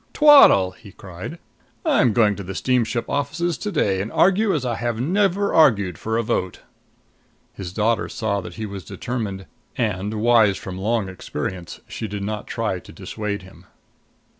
"Twaddle!" he cried. "I'm going to the steamship offices to day and argue as I never argued for a vote." His daughter saw that he was determined; and, wise from long experience, she did not try to dissuade him.